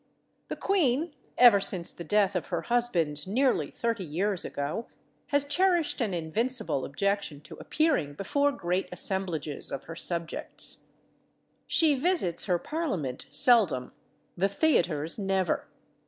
The queen, ever since the death of her husband nearly thirty years ago, has cherished an invincible objection to appearing before great assemblages of her subjects. She visits her parliament seldom, the theaters never.